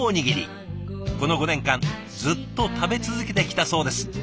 この５年間ずっと食べ続けてきたそうです。